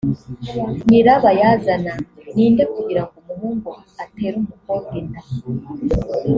nyirabayazana ni nde kugira ngo umuhungu atere umukobwa inda